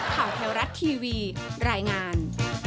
แถวรัฐทีวีรายงาน